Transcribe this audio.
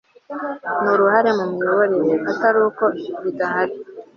n' uruhare mu miyoborere ), atari uko bidahari